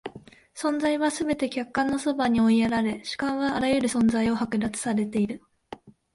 存在はすべて客観の側に追いやられ、主観はあらゆる存在を剥奪されている。